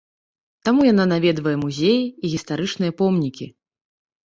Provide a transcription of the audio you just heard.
Таму яна наведвае музеі і гістарычныя помнікі.